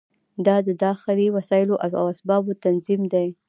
دا د داخلي وسایلو او اسبابو تنظیم دی.